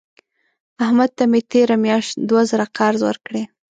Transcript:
احمد ته مې تېره میاشت دوه زره قرض ورکړې.